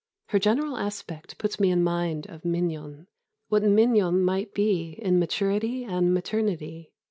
Her general aspect puts me in mind of Mignon, what Mignon might be in maturity and maternity."